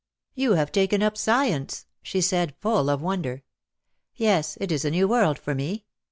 "You have taken up science!" she said, full of wonder. "Yes, it is a new world for me.